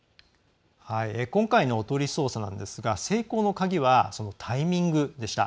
今回の、おとり捜査ですが成功の鍵は、タイミングでした。